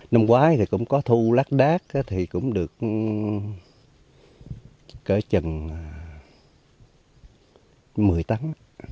năm ngoái thì cũng có thu lát đát thì cũng được kể chừng một mươi tấn